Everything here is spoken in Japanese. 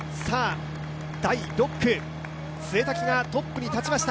第６区、潰滝がトップに立ちました